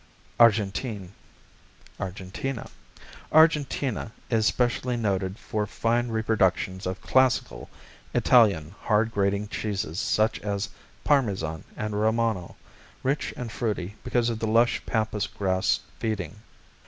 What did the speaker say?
Argentine Argentina Argentina is specially noted for fine reproductions of classical Italian hard grating cheeses such as Parmesan and Romano, rich and fruity because of the lush pampas grass feeding.